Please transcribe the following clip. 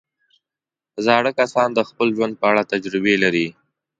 زاړه کسان د خپل ژوند په اړه تجربې لري